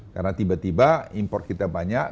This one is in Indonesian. karena tiba tiba import kita banyak